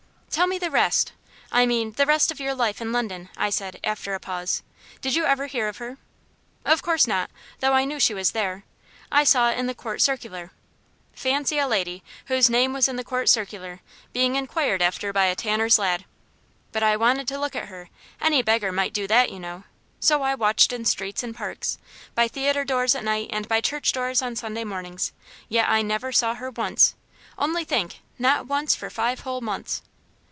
"Tell me the rest I mean, the rest of your life in London," I said, after a pause. "Did you ever hear of her?" "Of course not; though I knew she was there. I saw it in the Court Circular. Fancy a lady, whose name was in the Court Circular, being inquired after by a tanner's lad! But I wanted to look at her any beggar might do that, you know so I watched in streets and parks, by theatre doors at night, and by church doors on Sunday mornings; yet I never saw her once. Only think, not once for five whole months."